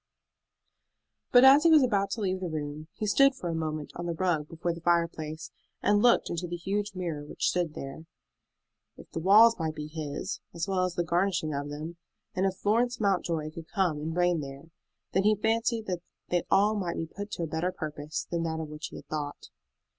But as he was about to leave the room he stood for a moment on the rug before the fireplace and looked into the huge mirror which stood there. If the walls might be his, as well as the garnishing of them, and if Florence Mountjoy could come and reign there, then he fancied that they all might be put to a better purpose than that of which he had thought.